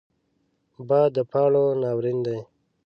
باد د پاڼو ناورین دی